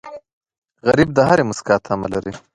غریب د هرې موسکا تمه لري